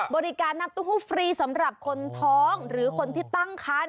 บริการนับตู้ฟรีสำหรับคนท้องหรือคนที่ตั้งคัน